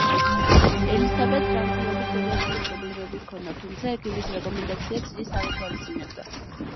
ელისაბედს ჯანმრთელობის სერიოზული პრობლემები ჰქონდა, თუმცა ექიმის რეკომენდაციებს ის არ ითვალისწინებდა.